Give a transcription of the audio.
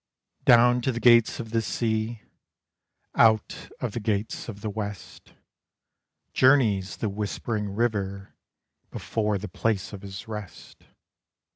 Down to the gates of the sea, Out of the gates of the west, Journeys the whispering river Before the place of his rest.